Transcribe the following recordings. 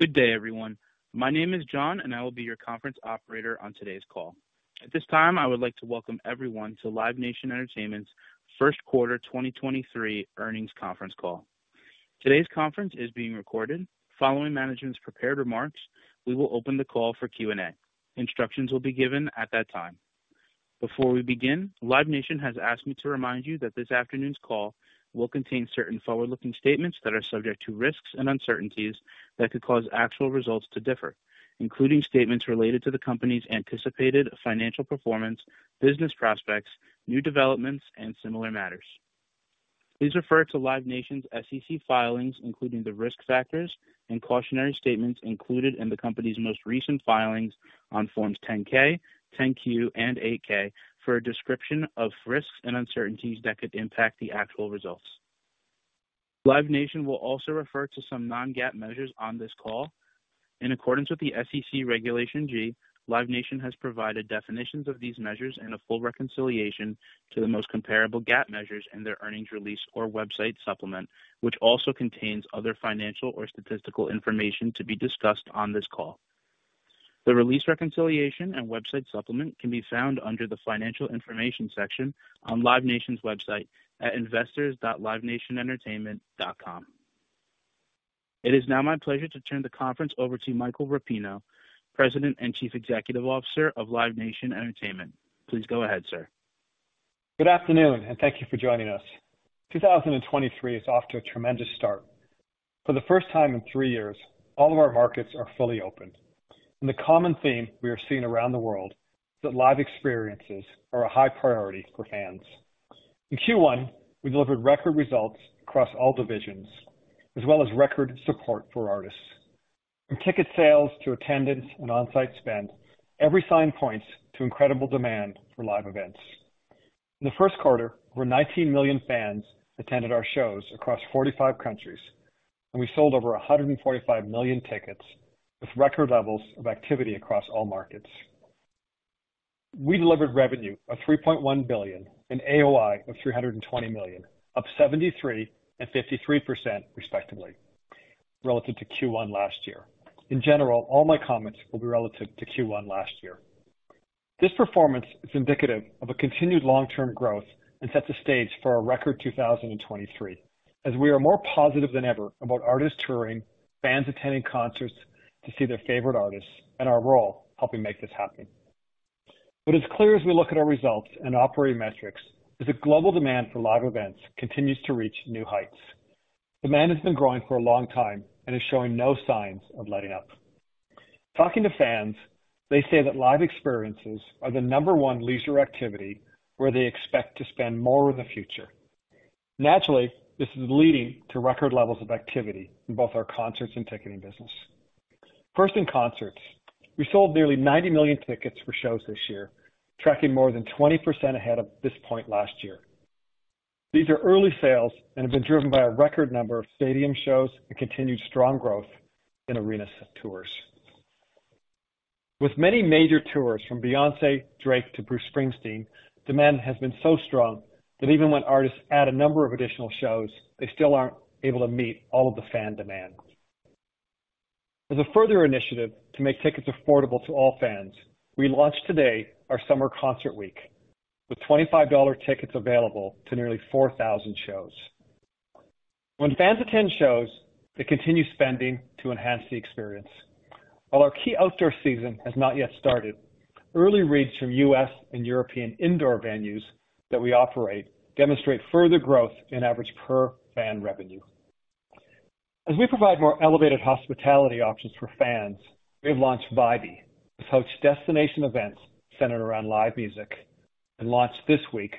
Good day, everyone. My name is John, and I will be your conference operator on today's call. At this time, I would like to welcome everyone to Live Nation Entertainment's 1st quarter 2023 earnings conference call. Today's conference is being recorded. Following management's prepared remarks, we will open the call for Q&A. Instructions will be given at that time. Before we begin, Live Nation has asked me to remind you that this afternoon's call will contain certain forward-looking statements that are subject to risks and uncertainties that could cause actual results to differ, including statements related to the company's anticipated financial performance, business prospects, new developments, and similar matters. Please refer to Live Nation's SEC filings, including the risk factors and cautionary statements included in the company's most recent filings on Form 10-K, Form 10-Q and Form 8-K for a description of risks and uncertainties that could impact the actual results. Live Nation will also refer to some non-GAAP measures on this call. In accordance with the SEC Regulation G, Live Nation has provided definitions of these measures and a full reconciliation to the most comparable GAAP measures in their earnings release or website supplement, which also contains other financial or statistical information to be discussed on this call. The release reconciliation and website supplement can be found under the Financial Information section on Live Nation's website at investors.livenationentertainment.com. It is now my pleasure to turn the conference over to Michael Rapino, President and Chief Executive Officer of Live Nation Entertainment. Please go ahead, sir. Good afternoon, and thank you for joining us. 2023 is off to a tremendous start. For the first time in three years, all of our markets are fully open. The common theme we are seeing around the world is that live experiences are a high priority for fans. In Q1, we delivered record results across all divisions, as well as record support for artists. From ticket sales to attendance and on-site spend, every sign points to incredible demand for live events. In the first quarter, where 19 million fans attended our shows across 45 countries, and we sold over 145 million tickets with record levels of activity across all markets. We delivered revenue of $3.1 billion and AOI of $320 million, up 73% and 53% respectively, relative to Q1 last year. In general, all my comments will be relative to Q1 last year. This performance is indicative of a continued long-term growth and sets the stage for a record 2023, as we are more positive than ever about artists touring, fans attending concerts to see their favorite artists, and our role helping make this happen. What is clear as we look at our results and operating metrics is that global demand for live events continues to reach new heights. Demand has been growing for a long time and is showing no signs of letting up. Talking to fans, they say that live experiences are the number one leisure activity where they expect to spend more in the future. Naturally, this is leading to record levels of activity in both our concerts and ticketing business. First in concerts, we sold nearly 90 million tickets for shows this year, tracking more than 20% ahead of this point last year. These are early sales and have been driven by a record number of stadium shows and continued strong growth in arena tours. With many major tours from Beyoncé, Drake to Bruce Springsteen, demand has been so strong that even when artists add a number of additional shows, they still aren't able to meet all of the fan demand. As a further initiative to make tickets affordable to all fans, we launched today our summer Concert Week, with $25 tickets available to nearly 4,000 shows. When fans attend shows, they continue spending to enhance the experience. While our key outdoor season has not yet started, early reads from U.S. and European indoor venues that we operate demonstrate further growth in average per fan revenue. As we provide more elevated hospitality options for fans, we have launched Vibee, which hosts destination events centered around live music and launched this week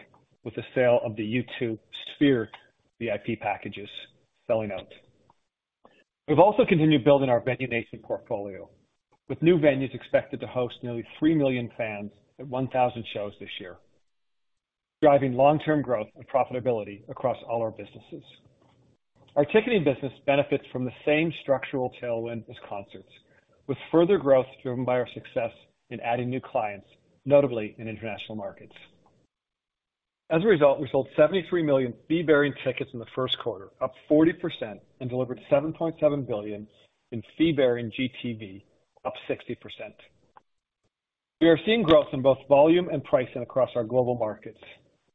with the sale of the U2 Sphere VIP packages selling out. We've also continued building our Venue Nation portfolio, with new venues expected to host nearly 3 million fans at 1,000 shows this year, driving long-term growth and profitability across all our businesses. Our ticketing business benefits from the same structural tailwind as concerts, with further growth driven by our success in adding new clients, notably in international markets. We sold 73 million fee-bearing tickets in the first quarter, up 40% and delivered $7.7 billion in fee-bearing GTV, up 60%. We are seeing growth in both volume and pricing across our global markets.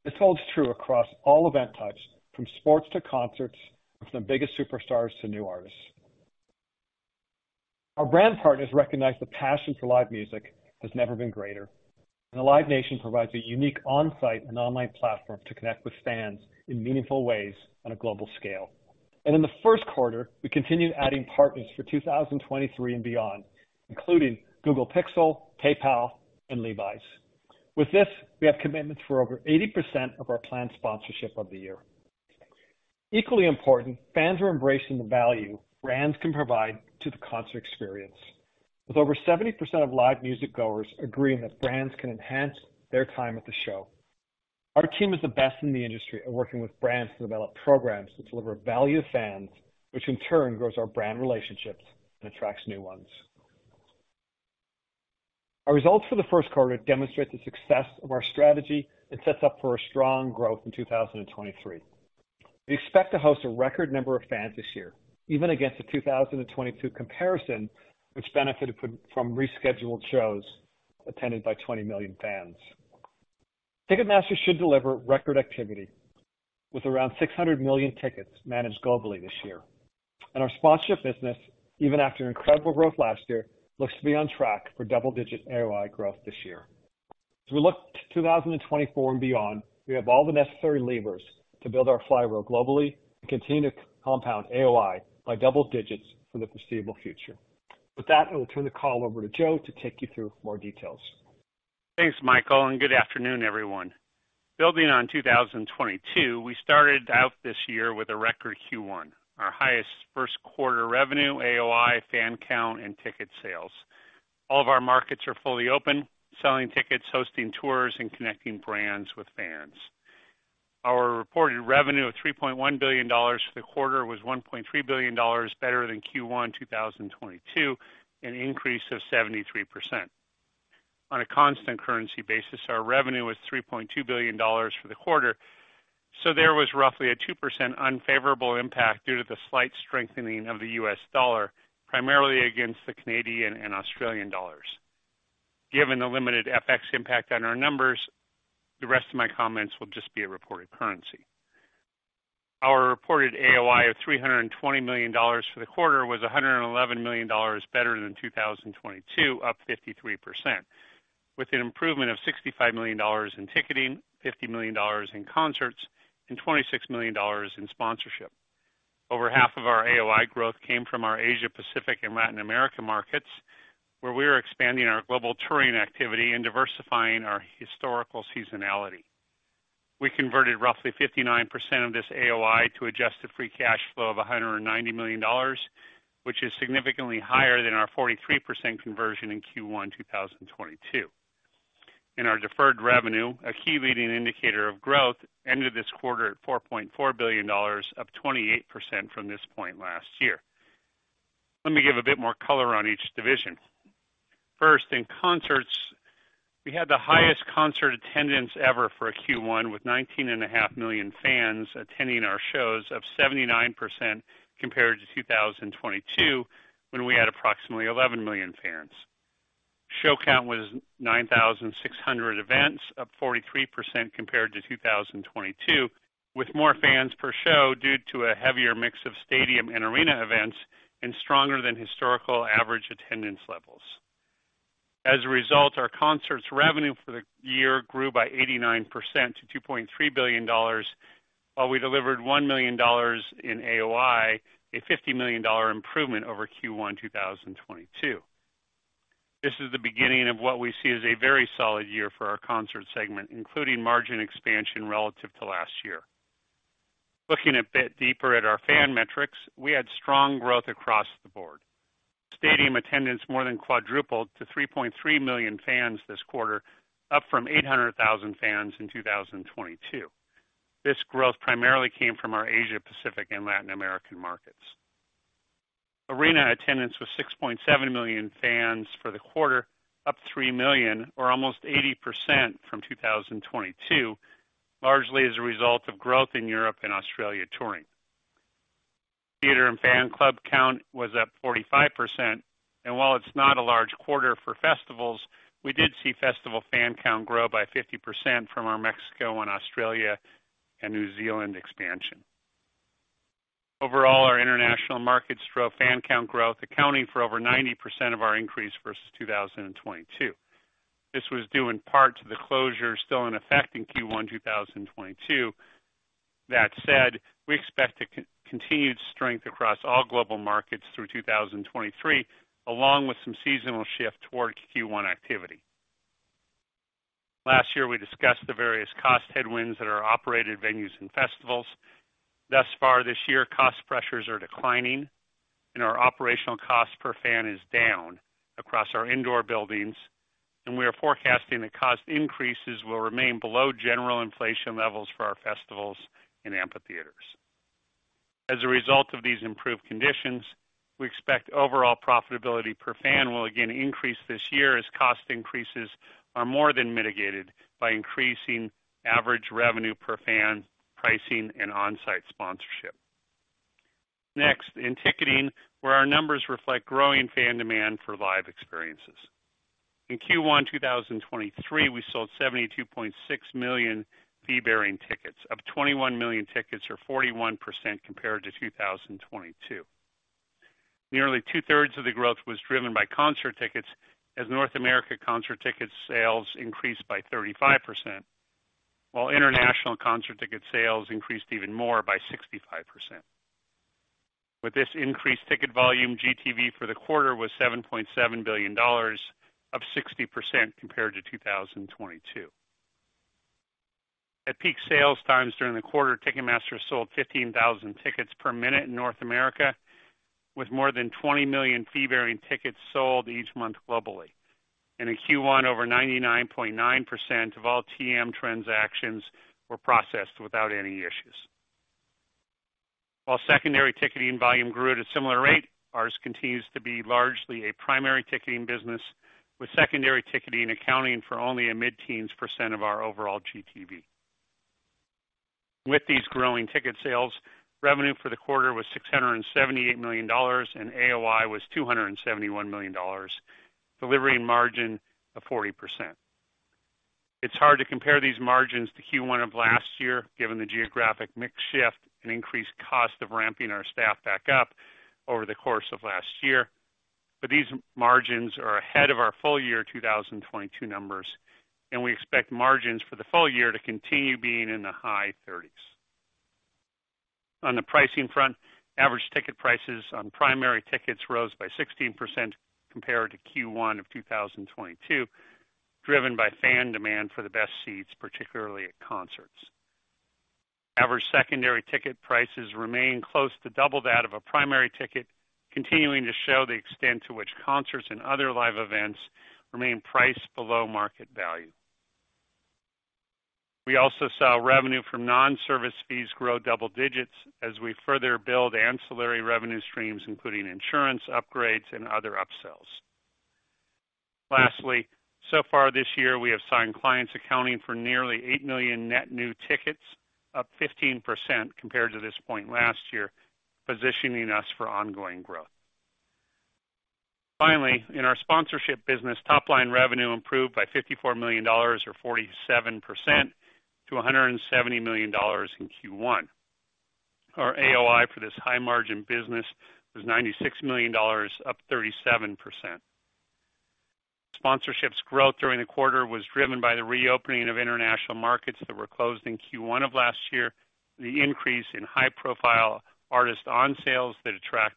This holds true across all event types, from sports to concerts, from the biggest superstars to new artists. Our brand partners recognize the passion for live music has never been greater, and Live Nation provides a unique on-site and online platform to connect with fans in meaningful ways on a global scale. In the first quarter, we continued adding partners for 2023 and beyond, including Google Pixel, PayPal, and Levi's. With this, we have commitments for over 80% of our planned sponsorship of the year. Equally important, fans are embracing the value brands can provide to the concert experience. With over 70% of live music goers agreeing that brands can enhance their time at the show. Our team is the best in the industry at working with brands to develop programs that deliver value to fans, which in turn grows our brand relationships and attracts new ones. Our results for the first quarter demonstrate the success of our strategy and sets up for a strong growth in 2023. We expect to host a record number of fans this year, even against the 2022 comparison, which benefited from rescheduled shows attended by 20 million fans. Ticketmaster should deliver record activity with around 600 million tickets managed globally this year. Our sponsorship business, even after an incredible growth last year, looks to be on track for double-digit AOI growth this year. As we look to 2024 and beyond, we have all the necessary levers to build our flywheel globally and continue to compound AOI by double digits for the foreseeable future. With that, I will turn the call over to Joe to take you through more details. Thanks, Michael. Good afternoon, everyone. Building on 2022, we started out this year with a record Q1, our highest first quarter revenue, AOI, fan count, and ticket sales. All of our markets are fully open, selling tickets, hosting tours, and connecting brands with fans. Our reported revenue of $3.1 billion for the quarter was $1.3 billion better than Q1 2022, an increase of 73%. On a constant currency basis, our revenue was $3.2 billion for the quarter. There was roughly a 2% unfavorable impact due to the slight strengthening of the US dollar, primarily against the Canadian and Australian dollars. Given the limited FX impact on our numbers, the rest of my comments will just be a reported currency. Our reported AOI of $320 million for the quarter was $111 million better than 2022, up 53%, with an improvement of $65 million in ticketing, $50 million in concerts, and $26 million in sponsorship. Over half of our AOI growth came from our Asia Pacific and Latin America markets, where we are expanding our global touring activity and diversifying our historical seasonality. We converted roughly 59% of this AOI to adjust to free cash flow of $190 million, which is significantly higher than our 43% conversion in Q1 2022. In our deferred revenue, a key leading indicator of growth ended this quarter at $4.4 billion, up 28% from this point last year. Let me give a bit more color on each division. First, in concerts, we had the highest concert attendance ever for a Q1 with 19.5 million fans attending our shows, up 79% compared to 2022, when we had approximately 11 million fans. Show count was 9,600 events, up 43% compared to 2022, with more fans per show due to a heavier mix of stadium and arena events and stronger than historical average attendance levels. As a result, our concerts revenue for the year grew by 89% to $2.3 billion, while we delivered $1 million in AOI, a $50 million improvement over Q1 2022. This is the beginning of what we see as a very solid year for our concert segment, including margin expansion relative to last year. Looking a bit deeper at our fan metrics, we had strong growth across the board. Stadium attendance more than quadrupled to 3.3 million fans this quarter, up from 800,000 fans in 2022. This growth primarily came from our Asia Pacific and Latin American markets. Arena attendance was 6.7 million fans for the quarter, up 3 million or almost 80% from 2022, largely as a result of growth in Europe and Australia touring. Theater and fan club count was up 45%. While it's not a large quarter for festivals, we did see festival fan count grow by 50% from our Mexico and Australia and New Zealand expansion. Overall, our international markets drove fan count growth, accounting for over 90% of our increase versus 2022. This was due in part to the closure still in effect in Q1 2022. That said, we expect continued strength across all global markets through 2023, along with some seasonal shift towards Q1 activity. Last year, we discussed the various cost headwinds that are operated venues and festivals. Thus far this year, cost pressures are declining and our operational cost per fan is down across our indoor buildings, and we are forecasting that cost increases will remain below general inflation levels for our festivals in amphitheaters. As a result of these improved conditions, we expect overall profitability per fan will again increase this year as cost increases are more than mitigated by increasing average revenue per fan pricing and on-site sponsorship. Next, in ticketing, where our numbers reflect growing fan demand for live experiences. In Q1 2023, we sold 72.6 million fee-bearing tickets, up 21 million tickets or 41% compared to 2022. Nearly two-thirds of the growth was driven by concert tickets as North America concert ticket sales increased by 35%, while international concert ticket sales increased even more by 65%. With this increased ticket volume, GTV for the quarter was $7.7 billion, up 60% compared to 2022. At peak sales times during the quarter, Ticketmaster sold 15,000 tickets per minute in North America, with more than 20 million fee-bearing tickets sold each month globally. In Q1, over 99.9% of all TM transactions were processed without any issues. While secondary ticketing volume grew at a similar rate, ours continues to be largely a primary ticketing business, with secondary ticketing accounting for only a mid-teens% of our overall GTV. With these growing ticket sales, revenue for the quarter was $678 million, and AOI was $271 million, delivering margin of 40%. It's hard to compare these margins to Q1 of last year, given the geographic mix shift and increased cost of ramping our staff back up over the course of last year. These margins are ahead of our full year 2022 numbers, and we expect margins for the full year to continue being in the high 30s. On the pricing front, average ticket prices on primary tickets rose by 16% compared to Q1 of 2022, driven by fan demand for the best seats, particularly at concerts. Average secondary ticket prices remain close to double that of a primary ticket, continuing to show the extent to which concerts and other live events remain priced below market value. We also saw revenue from non-service fees grow double digits as we further build ancillary revenue streams, including insurance upgrades and other upsells. So far this year, we have signed clients accounting for nearly 8 million net new tickets, up 15% compared to this point last year, positioning us for ongoing growth. In our sponsorship business, top-line revenue improved by $54 million or 47% to $170 million in Q1. Our AOI for this high margin business was $96 million, up 37%. Sponsorships growth during the quarter was driven by the reopening of international markets that were closed in Q1 of last year, the increase in high-profile artist on sales that attract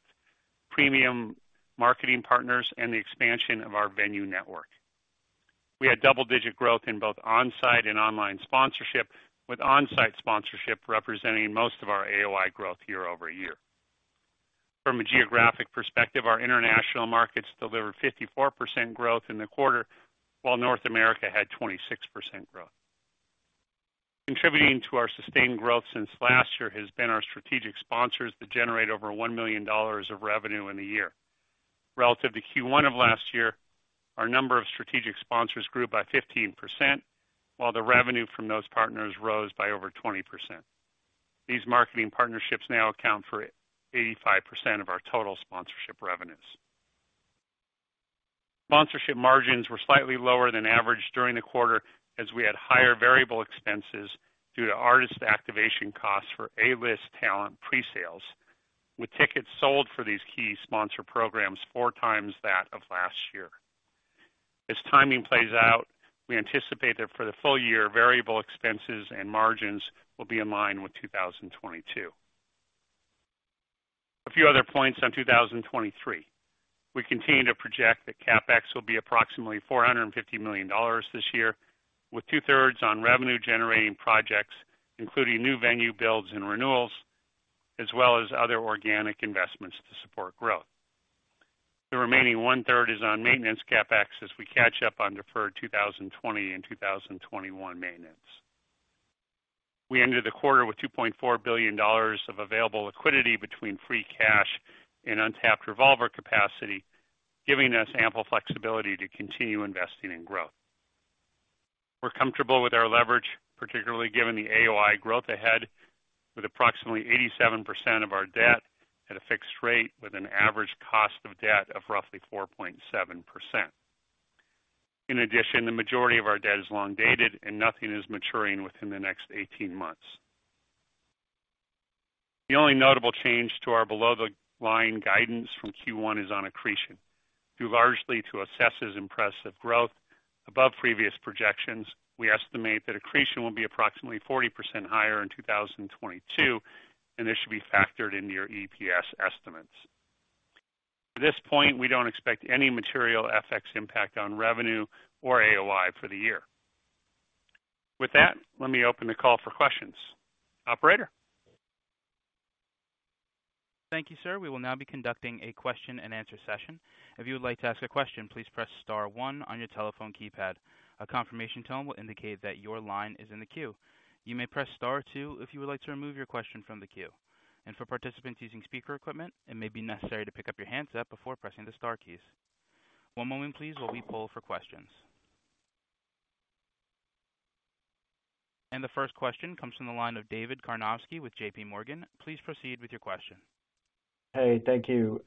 premium marketing partners, and the expansion of our venue network. We had double-digit growth in both on-site and online sponsorship, with on-site sponsorship representing most of our AOI growth year-over-year. From a geographic perspective, our international markets delivered 54% growth in the quarter, while North America had 26% growth. Contributing to our sustained growth since last year has been our strategic sponsors that generate over $1 million of revenue in a year. Relative to Q1 of last year, our number of strategic sponsors grew by 15%, while the revenue from those partners rose by over 20%. These marketing partnerships now account for 85% of our total sponsorship revenues. Sponsorship margins were slightly lower than average during the quarter as we had higher variable expenses due to artist activation costs for A-list talent presales, with tickets sold for these key sponsor programs 4 times that of last year. As timing plays out, we anticipate that for the full year, variable expenses and margins will be in line with 2022. A few other points on 2023. We continue to project that CapEx will be approximately $450 million this year, with two-thirds on revenue-generating projects, including new venue builds and renewals, as well as other organic investments to support growth. The remaining one-third is on maintenance CapEx as we catch up on deferred 2020 and 2021 maintenance. We ended the quarter with $2.4 billion of available liquidity between free cash and untapped revolver capacity, giving us ample flexibility to continue investing in growth. We're comfortable with our leverage, particularly given the AOI growth ahead with approximately 87% of our debt at a fixed rate with an average cost of debt of roughly 4.7%. The majority of our debt is long dated and nothing is maturing within the next 18 months. The only notable change to our below-the-line guidance from Q1 is on accretion. Due largely to assessors impressive growth above previous projections, we estimate that accretion will be approximately 40% higher in 2022. This should be factored into your EPS estimates. At this point, we don't expect any material FX impact on revenue or AOI for the year. With that, let me open the call for questions. Operator? Thank you, sir. We will now be conducting a question-and-answer session. If you would like to ask a question, please press star one on your telephone keypad. A confirmation tone will indicate that your line is in the queue. You may press star two if you would like to remove your question from the queue. For participants using speaker equipment, it may be necessary to pick up your handset before pressing the star keys. One moment, please, while we poll for questions. The first question comes from the line of David Karnovsky with JPMorgan. Please proceed with your question. Hey, thank you.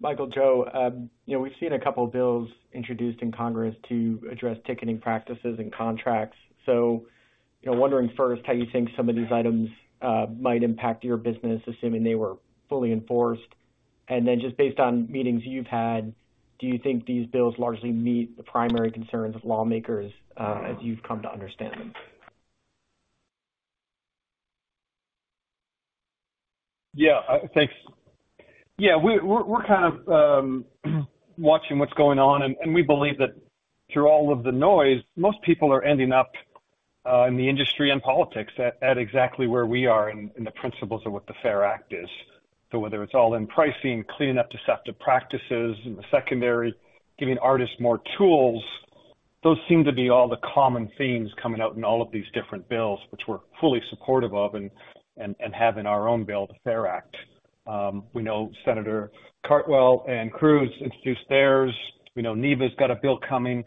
Michael Joe, you know, we've seen a couple of bills introduced in Congress to address ticketing practices and contracts. You know, wondering first how you think some of these items might impact your business, assuming they were fully enforced. Just based on meetings you've had, do you think these bills largely meet the primary concerns of lawmakers, as you've come to understand them? Yeah. Thanks. Yeah, we're kind of watching what's going on, and we believe that through all of the noise, most people are ending up in the industry and politics at exactly where we are in the principles of what the FAIR Act is. Whether it's all-in pricing, cleaning up deceptive practices in the secondary, giving artists more tools Those seem to be all the common themes coming out in all of these different bills, which we're fully supportive of and have in our own bill, the FAIR Act. We know Senator Cantwell and Cruz introduced theirs. We know a's got a bill coming,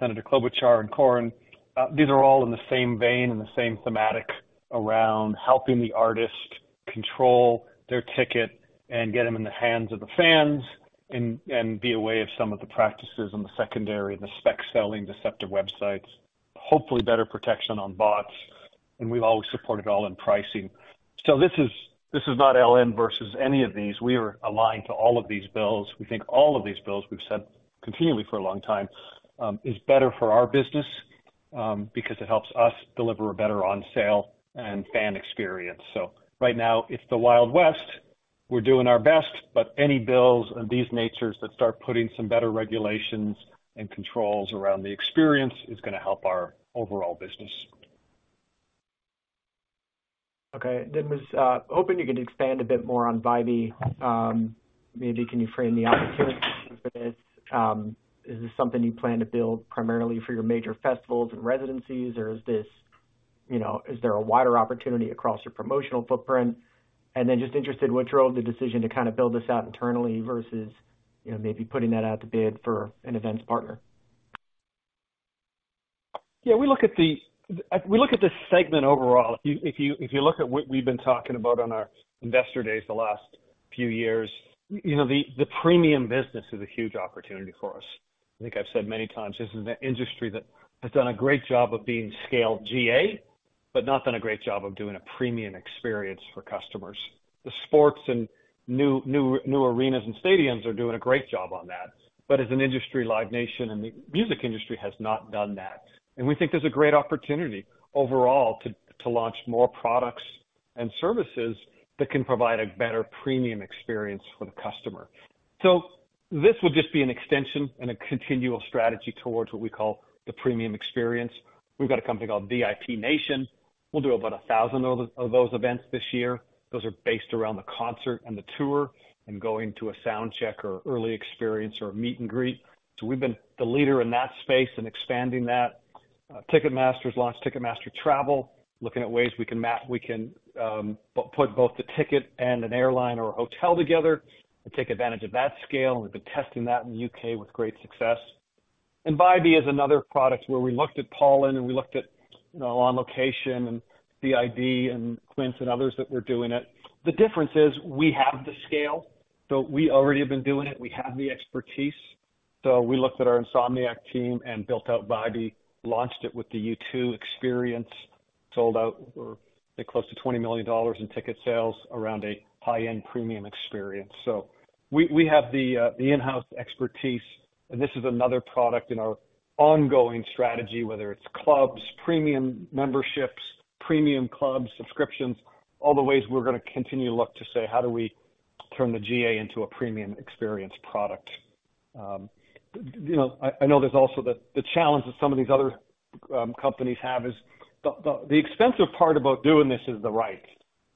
Senator Klobuchar and Cornyn. These are all in the same vein and the same thematic around helping the artist control their ticket and get them in the hands of the fans and be aware of some of the practices on the secondary, the spec selling deceptive websites. Hopefully, better protection on bots, and we've always supported all-in pricing. This is not LN versus any of these. We are aligned to all of these bills. We think all of these bills we've set continually for a long time, is better for our business, because it helps us deliver a better on sale and fan experience. Right now it's the Wild West. We're doing our best. Any bills of these natures that start putting some better regulations and controls around the experience is going to help our overall business. Was hoping you could expand a bit more on Vibee. Maybe can you frame the opportunity for this? Is this something you plan to build primarily for your major festivals and residencies, or is this, you know, is there a wider opportunity across your promotional footprint? Just interested, what drove the decision to kinda build this out internally versus, you know, maybe putting that out to bid for an events partner? Yeah, we look at this segment overall. If you look at what we've been talking about on our investor days the last few years, you know, the premium business is a huge opportunity for us. I think I've said many times, this is an industry that has done a great job of being scale GA, but not done a great job of doing a premium experience for customers. The sports and new arenas and stadiums are doing a great job on that. As an industry, Live Nation and the music industry has not done that. We think there's a great opportunity overall to launch more products and services that can provide a better premium experience for the customer. This would just be an extension and a continual strategy towards what we call the premium experience. We've got a company called VIP Nation. We'll do about 1,000 of those events this year. Those are based around the concert and the tour and going to a soundcheck or early experience or a meet and greet. We've been the leader in that space and expanding that. Ticketmaster's launched Ticketmaster Travel, looking at ways we can put both the ticket and an airline or a hotel together and take advantage of that scale, and we've been testing that in the U.K. with great success. Vibee is another product where we looked at Pollen and we looked at, you know, On Location and CID and QuintEvents and others that were doing it. The difference is we have the scale. We already have been doing it. We have the expertise. We looked at our Insomniac team and built out Vibee, launched it with the U2 experience, sold out for, I think, close to $20 million in ticket sales around a high-end premium experience. We have the in-house expertise, and this is another product in our ongoing strategy, whether it's clubs, premium memberships, premium clubs, subscriptions, all the ways we're gonna continue to look to say, how do we turn the GA into a premium experience product? You know, I know there's also the challenge that some of these other companies have is the expensive part about doing this is the rights,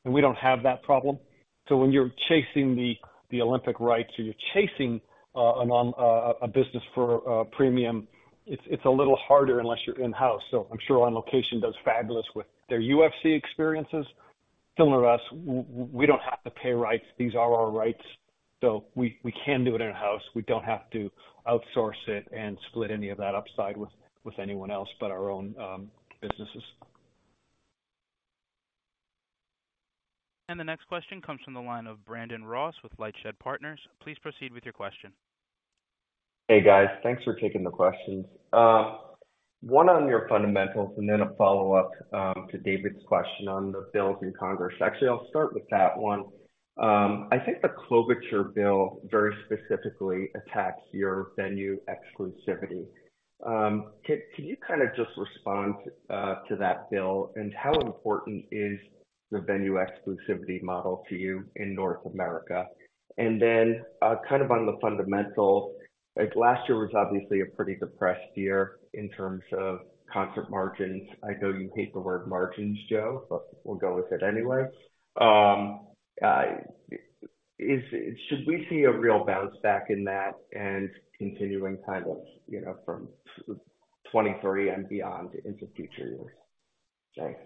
and we don't have that problem. When you're chasing the Olympic rights or you're chasing among a business for premium, it's a little harder unless you're in-house. I'm sure On Location does fabulous with their UFC experiences. Similar to us, we don't have to pay rights. These are our rights. We can do it in-house. We don't have to outsource it and split any of that upside with anyone else but our own businesses. The next question comes from the line of Brandon Ross with LightShed Partners. Please proceed with your question. Hey, guys. Thanks for taking the questions. One on your fundamentals and then a follow-up to David's question on the bills in Congress. Actually, I'll start with that one. I think the Klobuchar bill very specifically attacks your venue exclusivity. Can you kind of just respond to that bill? How important is the venue exclusivity model to you in North America? Kind of on the fundamental, like, last year was obviously a pretty depressed year in terms of concert margins. I know you hate the word margins, Joe, we'll go with it anyway. Should we see a real bounce back in that and continuing kind of, you know, from 23 and beyond into future years?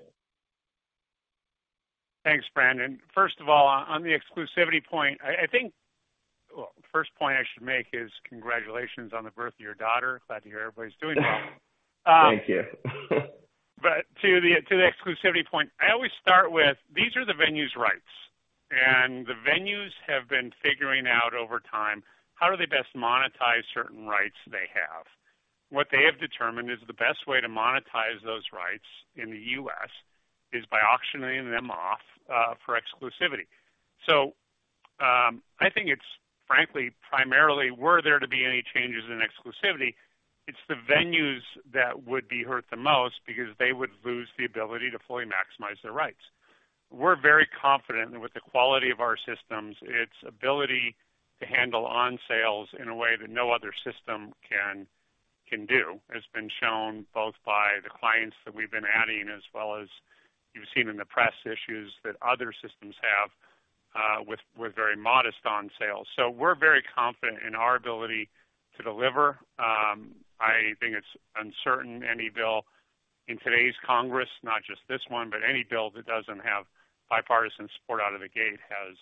Thanks. Thanks, Brandon. First of all, on the exclusivity point. Well, first point I should make is congratulations on the birth of your daughter. Glad to hear everybody's doing well. Thank you. To the exclusivity point, I always start with, these are the venue's rights. The venues have been figuring out over time, how do they best monetize certain rights they have? What they have determined is the best way to monetize those rights in the U.S. is by auctioning them off for exclusivity. I think it's frankly, primarily were there to be any changes in exclusivity, it's the venues that would be hurt the most because they would lose the ability to fully maximize their rights. We're very confident with the quality of our systems, its ability to handle on sales in a way that no other system can do. It's been shown both by the clients that we've been adding as well as you've seen in the press issues that other systems have. With very modest on sales. We're very confident in our ability to deliver. I think it's uncertain any bill in today's Congress, not just this one, but any bill that doesn't have bipartisan support out of the gate has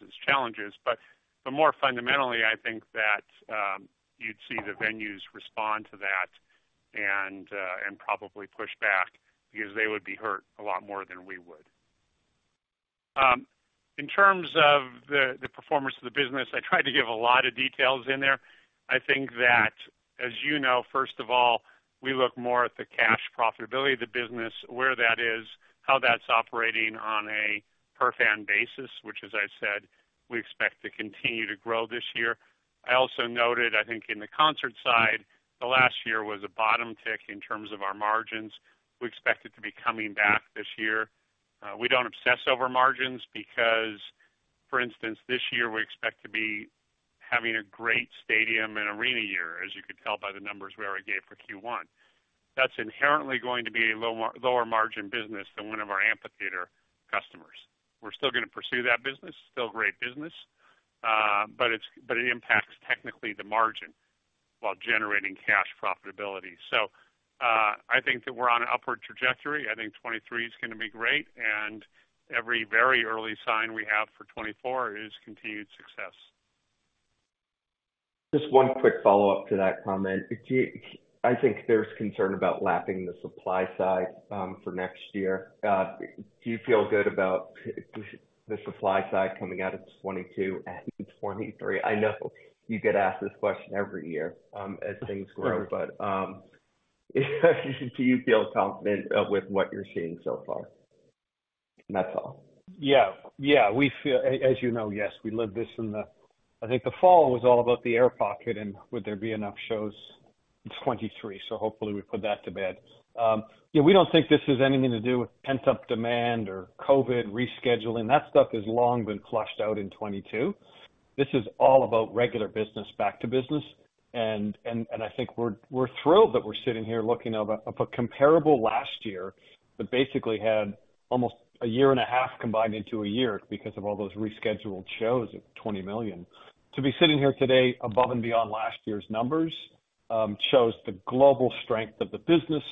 its challenges. More fundamentally, I think that you'd see the venues respond to that and probably push back because they would be hurt a lot more than we would. In terms of the performance of the business, I tried to give a lot of details in there. I think that, as you know, first of all, we look more at the cash profitability of the business, where that is, how that's operating on a per fan basis, which as I said, we expect to continue to grow this year. I also noted, I think in the concert side, the last year was a bottom tick in terms of our margins. We expect it to be coming back this year. We don't obsess over margins because, for instance, this year we expect to be having a great stadium and arena year, as you could tell by the numbers we already gave for Q1. That's inherently going to be a lower margin business than one of our amphitheater customers. We're still gonna pursue that business, still great business, but it impacts technically the margin while generating cash profitability. I think that we're on an upward trajectory. I think 2023 is gonna be great, and every very early sign we have for 2024 is continued success. Just one quick follow-up to that comment. I think there's concern about lapping the supply side for next year. Do you feel good about the supply side coming out of 2022 and in 2023? I know you get asked this question every year as things grow, but do you feel confident with what you're seeing so far? That's all. Yeah. We feel as you know, yes, we lived this. I think the fall was all about the air pocket and would there be enough shows in 2023? Hopefully we put that to bed. Yeah, we don't think this has anything to do with pent-up demand or COVID rescheduling. That stuff has long been flushed out in 2022. This is all about regular business back to business. I think we're thrilled that we're sitting here looking at a comparable last year that basically had almost a year and a half combined into a year because of all those rescheduled shows of $20 million. To be sitting here today above and beyond last year's numbers, shows the global strength of the business,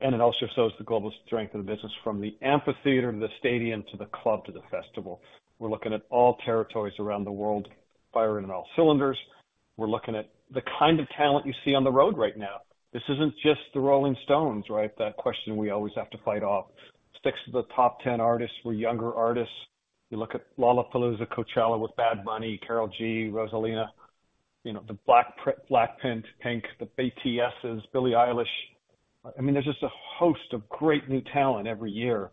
and it also shows the global strength of the business from the amphitheater to the stadium, to the club, to the festival. We're looking at all territories around the world firing on all cylinders. We're looking at the kind of talent you see on the road right now. This isn't just Rolling Stones, right? That question we always have to fight off. 6 of the top 10 artists were younger artists. You look at Lollapalooza, Coachella with Bad Bunny, Karol G, Rosalía, you know, Blackpink, Pink, the BTSs, Billie Eilish. I mean, there's just a host of great new talent every year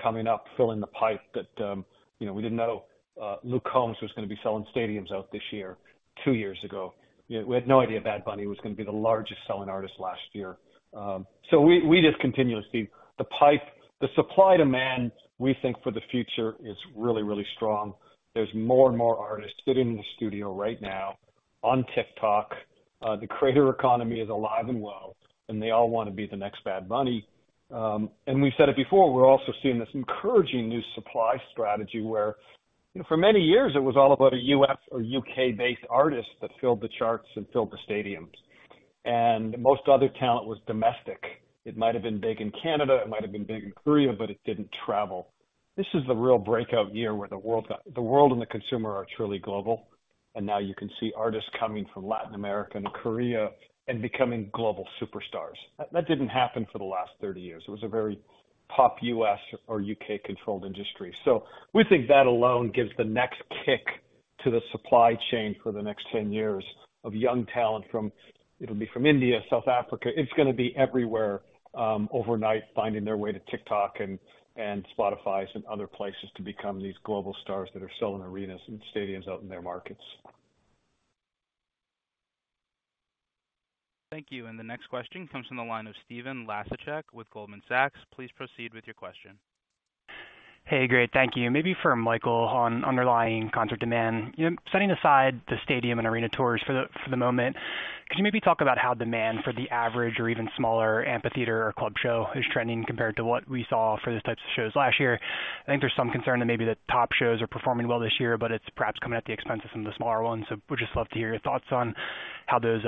coming up, filling the pipe that, you know, we didn't know Luke Combs was gonna be selling stadiums out this year 2 years ago. You know, we had no idea Bad Bunny was gonna be the largest selling artist last year. The pipe, the supply-demand, we think for the future, is really, really strong. There's more and more artists sitting in the studio right now on TikTok. The creator economy is alive and well, they all wanna be the next Bad Bunny. We said it before, we're also seeing this encouraging new supply strategy where, you know, for many years it was all about a U.S. or U.K.-based artist that filled the charts and filled the stadiums. Most other talent was domestic. It might have been big in Canada, it might have been big in Korea, it didn't travel. This is the real breakout year where the world and the consumer are truly global. Now you can see artists coming from Latin America and Korea and becoming global superstars. That didn't happen for the last 30 years. It was a very pop U.S. or U.K.-controlled industry. We think that alone gives the next kick to the supply chain for the next 10 years of young talent from, it'll be from India, South Africa. It's gonna be everywhere, overnight, finding their way to TikTok and Spotifys and other places to become these global stars that are selling arenas and stadiums out in their markets. Thank you. The next question comes from the line of Stephen Laszczyk with Goldman Sachs. Please proceed with your question. Great. Thank you. Maybe for Michael on underlying concert demand. You know, setting aside the stadium and arena tours for the moment, could you maybe talk about how demand for the average or even smaller amphitheater or club show is trending compared to what we saw for those types of shows last year? I think there's some concern that maybe the top shows are performing well this year, but it's perhaps coming at the expense of some of the smaller ones. Would just love to hear your thoughts on how those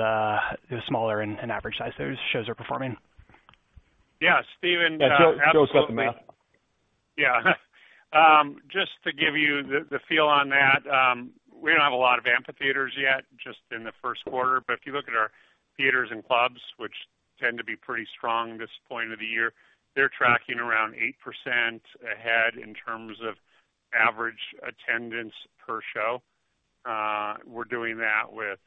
smaller and average sized shows are performing? Yeah, Stephen. Yeah. Joe's got the math. Yeah. Just to give you the feel on that, we don't have a lot of amphitheaters yet just in the first quarter. If you look at our theaters and clubs, which tend to be pretty strong this point of the year, they're tracking around 8% ahead in terms of average attendance per show. We're doing that with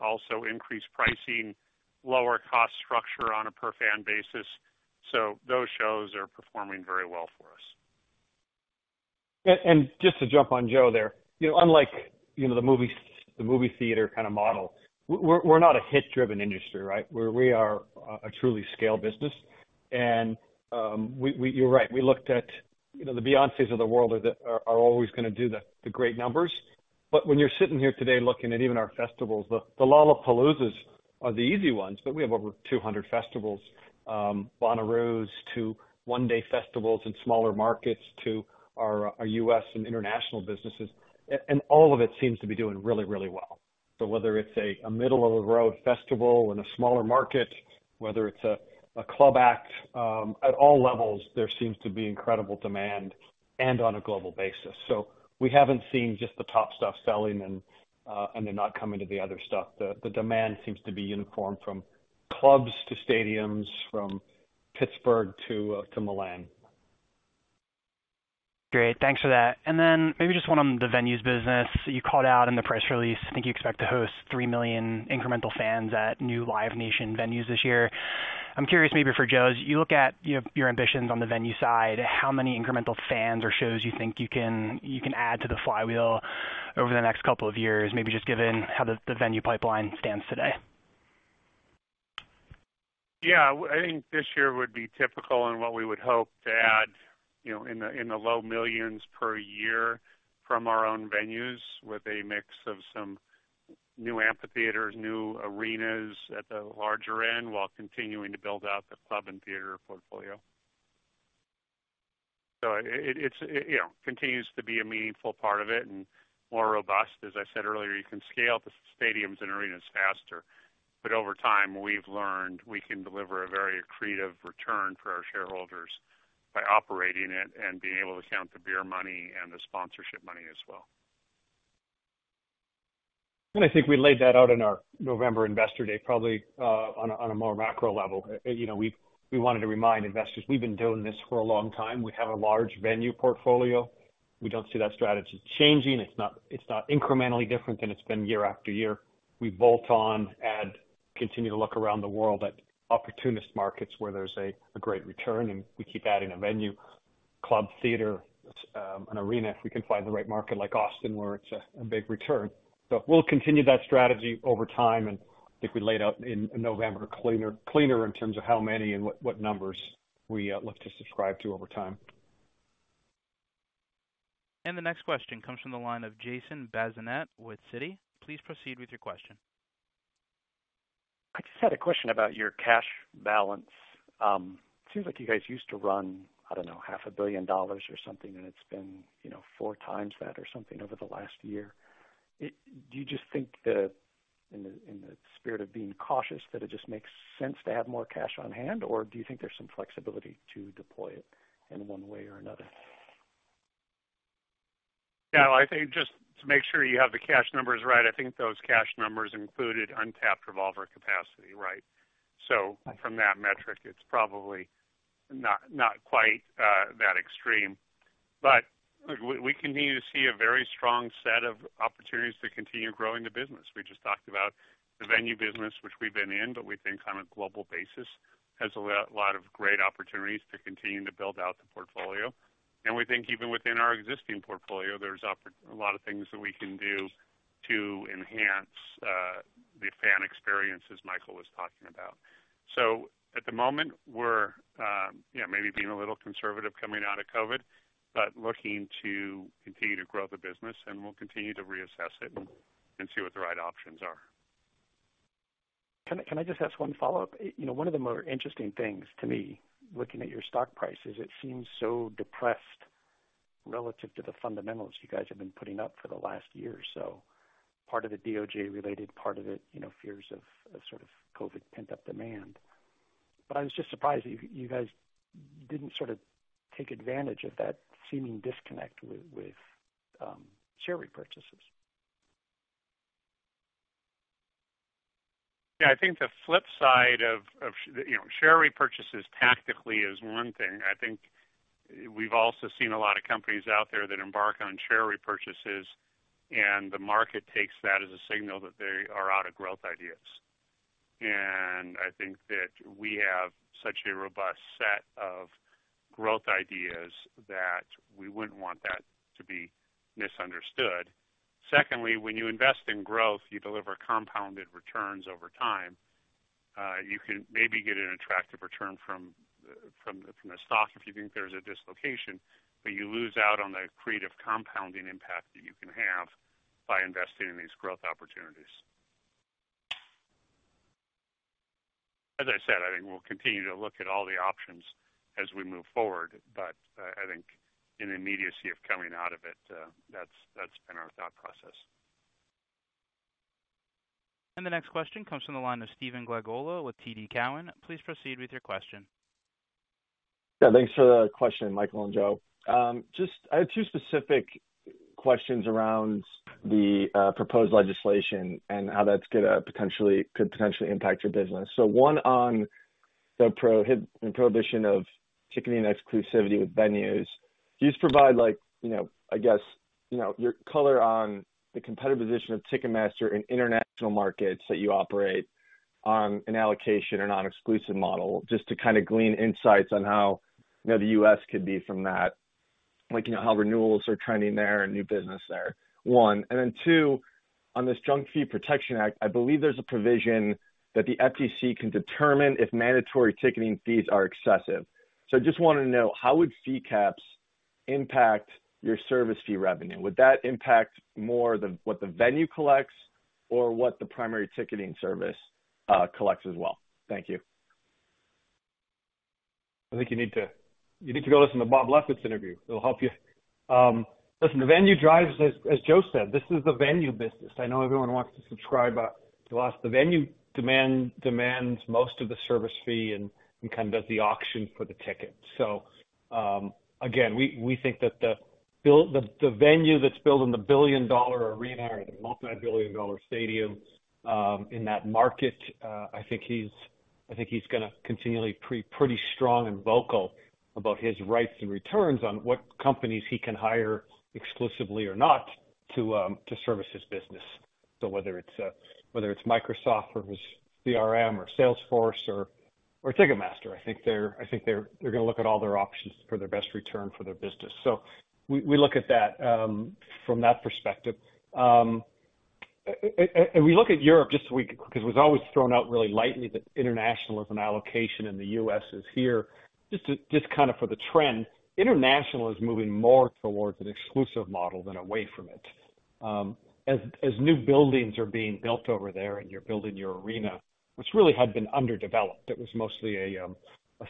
also increased pricing, lower cost structure on a per fan basis. Those shows are performing very well for us. just to jump on Joe there. You know, unlike, you know, the movie, the movie theater kind of model, we're not a hit-driven industry, right? We are a truly scale business. You're right. We looked at, you know, the Beyoncés of the world are always gonna do the great numbers. When you're sitting here today looking at even our festivals, Lollapaloozas are the easy ones, but we have over 200 festivals, Bonnaroos to one-day festivals in smaller markets to our U.S. and international businesses. All of it seems to be doing really, really well. Whether it's a middle-of-the-road festival in a smaller market, whether it's a club act, at all levels, there seems to be incredible demand and on a global basis. We haven't seen just the top stuff selling and they're not coming to the other stuff. The demand seems to be uniform from clubs to stadiums, from Pittsburgh to Milan. Great. Thanks for that. Maybe just one on the venues business. You called out in the press release, I think you expect to host 3 million incremental fans at new Live Nation venues this year. I'm curious, maybe for Joe, as you look at your ambitions on the venue side, how many incremental fans or shows you think you can add to the flywheel over the next couple of years, maybe just given how the venue pipeline stands today. I think this year would be typical in what we would hope to add, you know, in the low millions per year from our own venues with a mix of some new amphitheaters, new arenas at the larger end while continuing to build out the club and theater portfolio. It's, you know, continues to be a meaningful part of it and more robust. As I said earlier, you can scale the stadiums and arenas faster, but over time, we've learned we can deliver a very accretive return for our shareholders by operating it and being able to count the beer money and the sponsorship money as well. I think we laid that out in our November investor day, probably on a more macro level. You know, we wanted to remind investors we've been doing this for a long time. We have a large venue portfolio. We don't see that strategy changing. It's not incrementally different than it's been year after year. We bolt on, add, continue to look around the world at opportunist markets where there's a great return, and we keep adding a venue, club, theater, an arena if we can find the right market like Austin where it's a big return. We'll continue that strategy over time, and I think we laid out in November cleaner in terms of how many and what numbers we look to subscribe to over time. The next question comes from the line of Jason Bazinet with Citi. Please proceed with your question. I just had a question about your cash balance. Seems like you guys used to run, I don't know, half a billion dollars or something, and it's been, you know, 4 times that or something over the last year. Do you just think in the spirit of being cautious, that it just makes sense to have more cash on hand? Or do you think there's some flexibility to deploy it in one way or another? Yeah. I think just to make sure you have the cash numbers right, I think those cash numbers included untapped revolver capacity, right? Okay. From that metric it's probably not quite that extreme. We continue to see a very strong set of opportunities to continue growing the business. We just talked about the venue business which we've been in, but we think on a global basis has a lot of great opportunities to continue to build out the portfolio. We think even within our existing portfolio, there's a lot of things that we can do to enhance the fan experience as Michael was talking about. At the moment we're, you know, maybe being a little conservative coming out of COVID, but looking to continue to grow the business and we'll continue to reassess it and see what the right options are. Can I just ask one follow-up? You know, one of the more interesting things to me looking at your stock price is it seems so depressed relative to the fundamentals you guys have been putting up for the last year or so. Part of it DOJ related, part of it, you know, fears of sort of COVID pent-up demand. I was just surprised you guys didn't sort of take advantage of that seeming disconnect with share repurchases. Yeah. I think the flip side of, you know, share repurchases tactically is one thing. I think we've also seen a lot of companies out there that embark on share repurchases, and the market takes that as a signal that they are out of growth ideas. I think that we have such a robust set of growth ideas that we wouldn't want that to be misunderstood. Secondly, when you invest in growth, you deliver compounded returns over time. You can maybe get an attractive return from the stock if you think there's a dislocation, but you lose out on the accretive compounding impact that you can have by investing in these growth opportunities. As I said, I think we'll continue to look at all the options as we move forward, but I think in immediacy of coming out of it, that's been our thought process. The next question comes from the line of Stephen Glagola with TD Cowen. Please proceed with your question. Yeah, thanks for the question, Michael and Joe. Just I have two specific questions around the proposed legislation and how could potentially impact your business. One on the prohibition of ticketing exclusivity with venues. Can you just provide like, you know, I guess, you know, your color on the competitive position of Ticketmaster in international markets that you operate on an allocation or non-exclusive model, just to kind of glean insights on how, you know, the U.S. could be from that, like, you know, how renewals are trending there and new business there, one. Then two- On this Junk Fee Prevention Act, I believe there's a provision that the FTC can determine if mandatory ticketing fees are excessive. I just wanted to know, how would fee caps impact your service fee revenue? Would that impact more than what the venue collects or what the primary ticketing service, collects as well? Thank you. I think you need to go listen to Bob Lefsetz interview. It'll help you. Listen, the venue drives as Joe said, this is the venue business. I know everyone wants to subscribe, the venue demands most of the service fee and kind of does the auction for the ticket. Again, we think that the venue that's building the billion-dollar arena or the multi-billion dollar stadium, in that market, I think he's gonna continually be pretty strong and vocal about his rights and returns on what companies he can hire exclusively or not to service his business. Whether it's Microsoft or it's CRM or Salesforce or Ticketmaster, I think they're gonna look at all their options for their best return for their business. We look at that from that perspective. And we look at Europe just so we can... 'cause it was always thrown out really lightly that international is an allocation and the U.S. is here. Just to, just kind of for the trend, international is moving more towards an exclusive model than away from it. As new buildings are being built over there and you're building your arena, which really had been underdeveloped. It was mostly a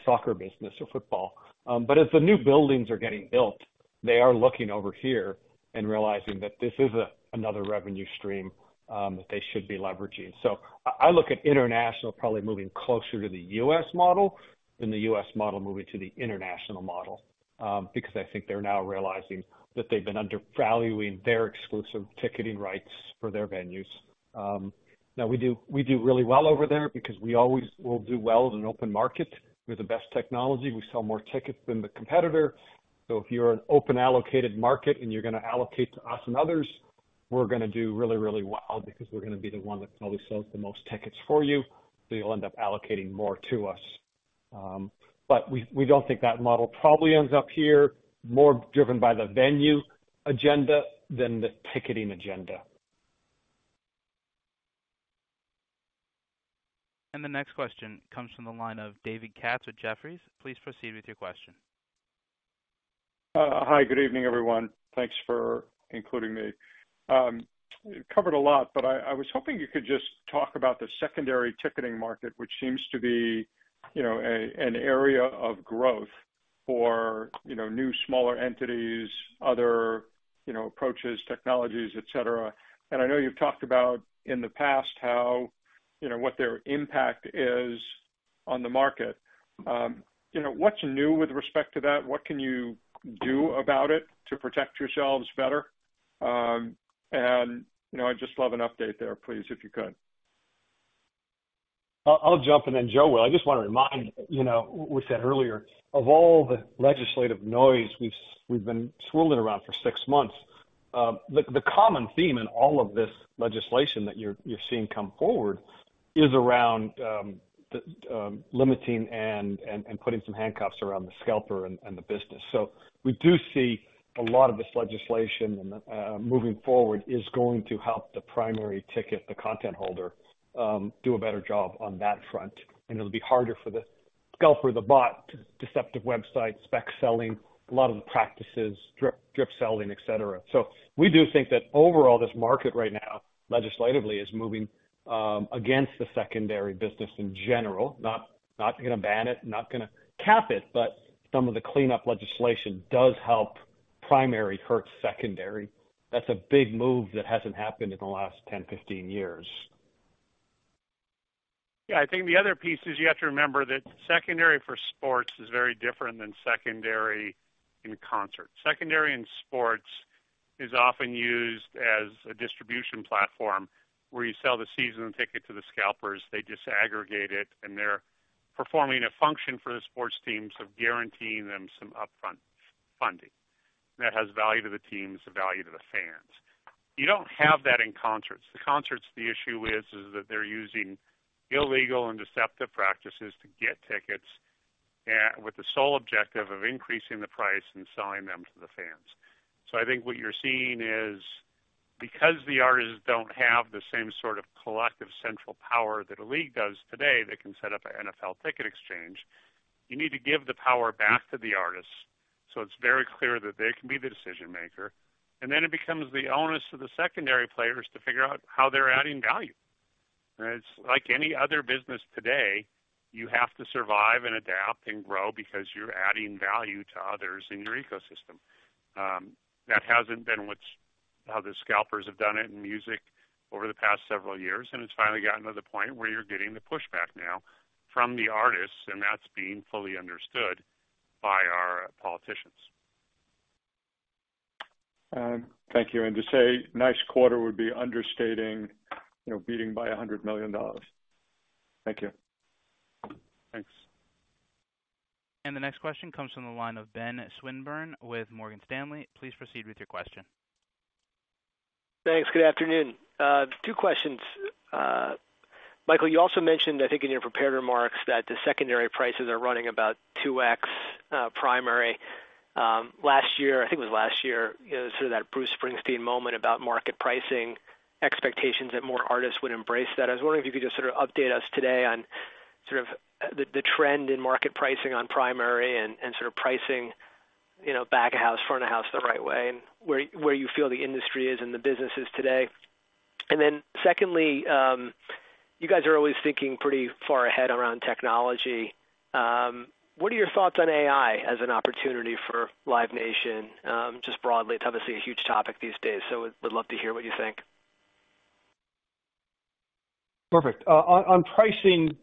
soccer business or football. As the new buildings are getting built, they are looking over here and realizing that this is another revenue stream that they should be leveraging. I look at international probably moving closer to the U.S. model than the U.S. model moving to the international model because I think they're now realizing that they've been undervaluing their exclusive ticketing rights for their venues. Now we do really well over there because we always will do well in an open market. We have the best technology. We sell more tickets than the competitor. If you're an open allocated market and you're gonna allocate to us and others, we're gonna do really well because we're gonna be the one that probably sells the most tickets for you, so you'll end up allocating more to us. We don't think that model probably ends up here, more driven by the venue agenda than the ticketing agenda. The next question comes from the line of David Katz at Jefferies. Please proceed with your question. Hi, good evening, everyone. Thanks for including me. You covered a lot, but I was hoping you could just talk about the secondary ticketing market, which seems to be, you know, an area of growth for, you know, new, smaller entities, other, you know, approaches, technologies, et cetera. I know you've talked about in the past how, you know, what their impact is on the market. You know, what's new with respect to that? What can you do about it to protect yourselves better? You know, I'd just love an update there, please, if you could. I'll jump and then Joe will. I just want to remind, you know, we said earlier, of all the legislative noise we've been swilling around for six months, the common theme in all of this legislation that you're seeing come forward is around the limiting and putting some handcuffs around the scalper and the business. We do see a lot of this legislation, moving forward is going to help the primary ticket, the content holder, do a better job on that front. It'll be harder for the scalper, the bot, deceptive website, spec selling, a lot of the practices, drip selling, etcetera. We do think that overall, this market right now, legislatively, is moving against the secondary business in general, not gonna ban it, not gonna cap it, but some of the cleanup legislation does help primary hurt secondary. That's a big move that hasn't happened in the last 10, 15 years. Yeah, I think the other piece is you have to remember that secondary for sports is very different than secondary in concert. Secondary in sports is often used as a distribution platform where you sell the season ticket to the scalpers, they just aggregate it, and they're performing a function for the sports teams of guaranteeing them some upfront funding. That has value to the teams, a value to the fans. You don't have that in concerts. The concerts, the issue is that they're using illegal and deceptive practices to get tickets with the sole objective of increasing the price and selling them to the fans. I think what you're seeing is because the artists don't have the same sort of collective central power that a league does today that can set up an NFL ticket exchange, you need to give the power back to the artists so it's very clear that they can be the decision-maker, and then it becomes the onus of the secondary players to figure out how they're adding value. It's like any other business today. You have to survive and adapt and grow because you're adding value to others in your ecosystem. That hasn't been how the scalpers have done it in music over the past several years, and it's finally gotten to the point where you're getting the pushback now from the artists, and that's being fully understood by our politicians. Thank you. To say nice quarter would be understating, you know, beating by $100 million. Thank you. Thanks. The next question comes from the line of Benjamin Swinburne with Morgan Stanley. Please proceed with your question. Thanks. Good afternoon. Two questions. Michael, you also mentioned, I think in your prepared remarks that the secondary prices are running about 2x primary. Last year, I think it was last year, you know, sort of that Bruce Springsteen moment about market pricing expectations that more artists would embrace that. I was wondering if you could just sort of update us today on sort of the trend in market pricing on primary and sort of pricing, you know, back of house, front of house the right way, and where you feel the industry is and the business is today. Secondly, you guys are always thinking pretty far ahead around technology. What are your thoughts on AI as an opportunity for Live Nation just broadly? It's obviously a huge topic these days, so would love to hear what you think. Perfect. On pricing,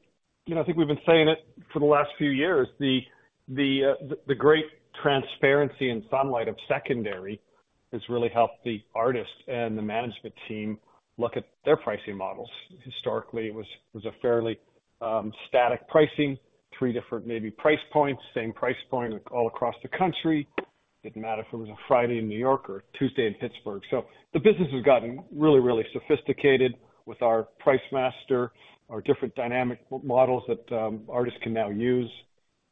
you know, I think we've been saying it for the last few years, the great transparency and sunlight of secondary has really helped the artists and the management team look at their pricing models. Historically, it was a fairly static pricing, 3 different maybe price points, same price point all across the country. Didn't matter if it was a Friday in New York or Tuesday in Pittsburgh. The business has gotten really, really sophisticated with our Pricemaster, our different dynamic models that artists can now use.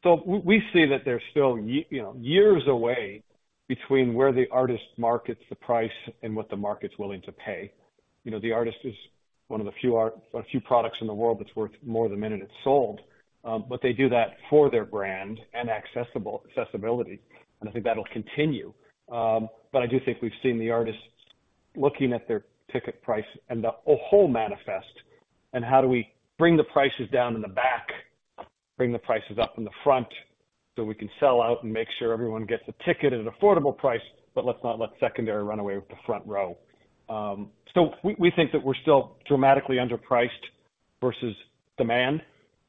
We see that they're still you know, years away between where the artist markets the price and what the market's willing to pay. You know, the artist is one of the few products in the world that's worth more than the minute it's sold. They do that for their brand and accessibility, and I think that'll continue. I do think we've seen the artists looking at their ticket price and the whole manifest, and how do we bring the prices down in the back, bring the prices up in the front, so we can sell out and make sure everyone gets a ticket at an affordable price. Let's not let secondary run away with the front row. We think that we're still dramatically underpriced versus demand,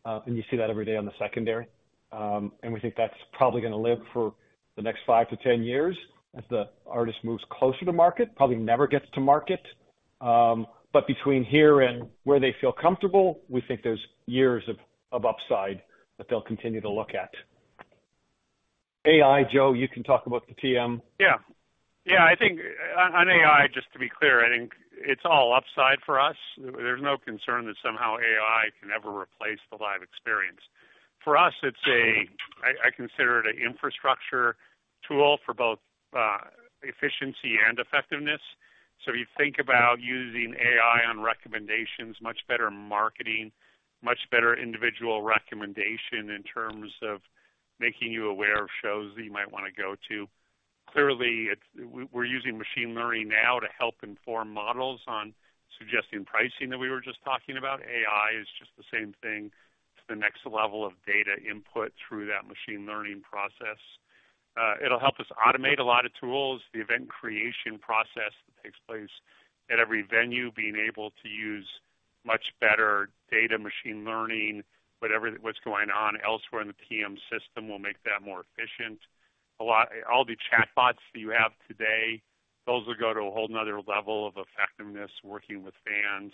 and you see that every day on the secondary. And we think that's probably gonna live for the next 5-10 years as the artist moves closer to market. Probably never gets to market. Between here and where they feel comfortable, we think there's years of upside that they'll continue to look at. AI, Joe, you can talk about the TM. Yeah. I think on AI, just to be clear, I think it's all upside for us. There's no concern that somehow AI can ever replace the live experience. For us, I consider it an infrastructure tool for both efficiency and effectiveness. You think about using AI on recommendations, much better marketing, much better individual recommendation in terms of making you aware of shows that you might wanna go to. Clearly, we're using machine learning now to help inform models on suggesting pricing that we were just talking about. AI is just the same thing to the next level of data input through that machine learning process. It'll help us automate a lot of tools. The event creation process that takes place at every venue, being able to use much better data machine learning, whatever what's going on elsewhere in the TM system will make that more efficient. All the chatbots that you have today, those will go to a whole another level of effectiveness working with fans,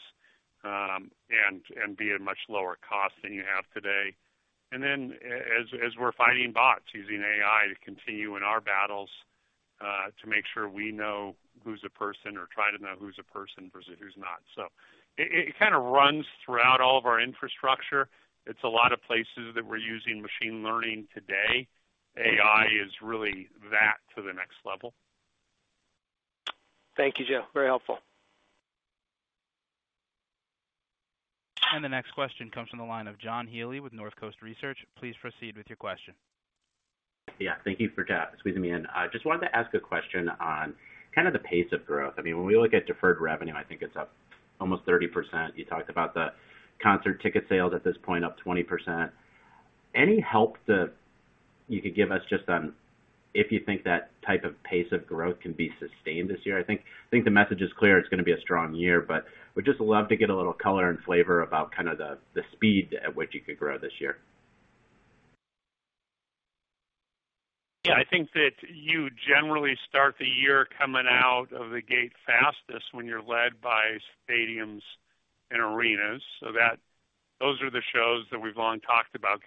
and be at much lower cost than you have today. As we're fighting bots, using AI to continue in our battles, to make sure we know who's a person or try to know who's a person versus who's not. It kinda runs throughout all of our infrastructure. It's a lot of places that we're using machine learning today. AI is really that to the next level. Thank you, Joe. Very helpful. The next question comes from the line of John Healy with Northcoast Research. Please proceed with your question. Yeah, thank you for squeezing me in. I just wanted to ask a question on kind of the pace of growth. I mean, when we look at deferred revenue, I think it's up almost 30%. You talked about the concert ticket sales at this point, up 20%. Any help that you could give us just on if you think that type of pace of growth can be sustained this year? I think the message is clear, it's going to be a strong year, but would just love to get a little color and flavor about kind of the speed at which you could grow this year. Yeah. I think that you generally start the year coming out of the gate fastest when you're led by stadiums and arenas. Those are the shows that we've long talked about,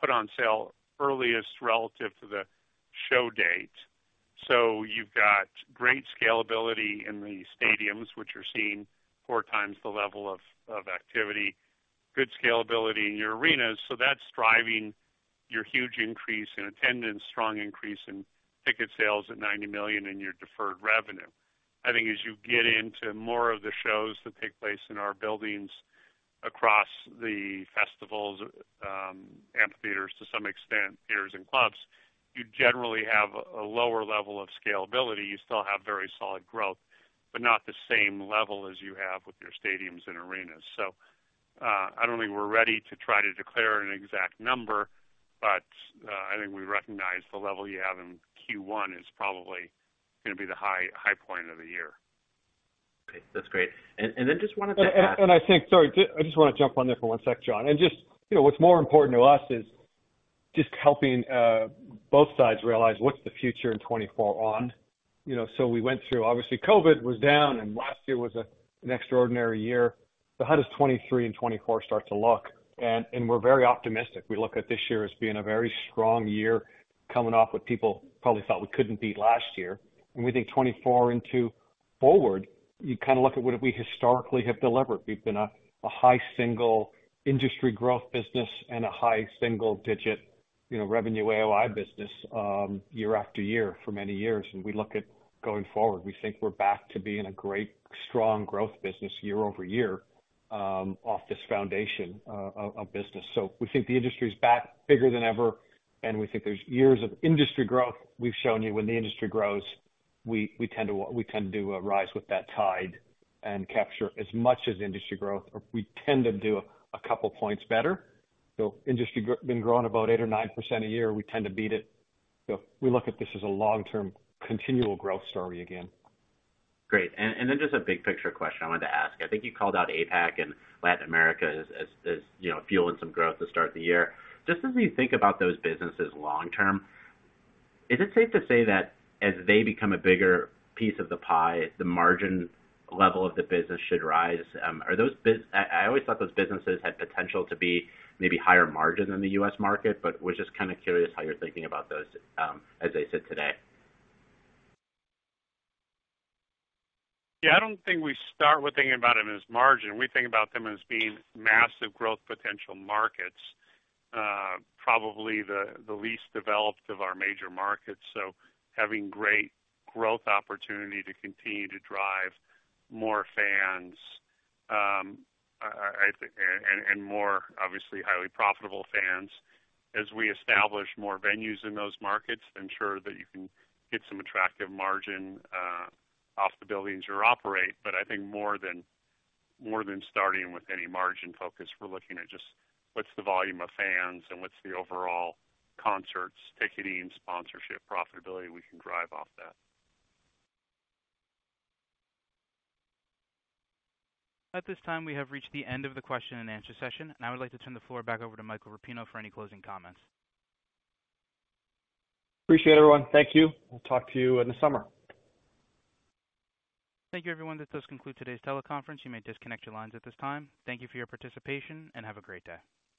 put on sale earliest relative to the show date. You've got great scalability in the stadiums, which are seeing four times the level of activity, good scalability in your arenas. That's driving your huge increase in attendance, strong increase in ticket sales at $90 million in your deferred revenue. I think as you get into more of the shows that take place in our buildings across the festivals, amphitheaters to some extent, theaters and clubs, you generally have a lower level of scalability. You still have very solid growth, not the same level as you have with your stadiums and arenas. I don't think we're ready to try to declare an exact number, but I think we recognize the level you have in Q1 is probably gonna be the high point of the year. Okay. That's great. Then just wanted to. I think... Sorry, I just wanna jump on there for one sec, John. Just, you know, what's more important to us is just helping both sides realize what's the future in 2024 on. You know, we went through, obviously COVID was down and last year was an extraordinary year. How does 2023 and 2024 start to look? We're very optimistic. We look at this year as being a very strong year coming off what people probably thought we couldn't beat last year. We think 2024 into Forward, you kind of look at what have we historically have delivered. We've been a high single industry growth business and a high single-digit, you know, revenue AOI business year after year for many years. We look at going forward, we think we're back to being a great, strong growth business year-over-year off this foundation of business. We think the industry is back bigger than ever, and we think there's years of industry growth. We've shown you when the industry grows, we tend to rise with that tide and capture as much as industry growth, or we tend to do a couple points better. Industry been growing about 8% or 9% a year, we tend to beat it. We look at this as a long-term continual growth story again. Great. Then just a big picture question I wanted to ask. I think you called out APAC and Latin America as, you know, fueling some growth to start the year. Just as you think about those businesses long term, is it safe to say that as they become a bigger piece of the pie, the margin level of the business should rise? Are those I always thought those businesses had potential to be maybe higher margin than the U.S. market, but was just kind of curious how you're thinking about those as they sit today. Yeah, I don't think we start with thinking about them as margin. We think about them as being massive growth potential markets, probably the least developed of our major markets. Having great growth opportunity to continue to drive more fans, I think and more obviously highly profitable fans. As we establish more venues in those markets, I'm sure that you can get some attractive margin, off the buildings you operate. I think more than starting with any margin focus, we're looking at just what's the volume of fans and what's the overall concerts, ticketing, sponsorship, profitability we can drive off that. At this time, we have reached the end of the question and answer session, and I would like to turn the floor back over to Michael Rapino for any closing comments. Appreciate it, everyone. Thank you. We'll talk to you in the summer. Thank you, everyone. That does conclude today's teleconference. You may disconnect your lines at this time. Thank you for your participation, and have a great day.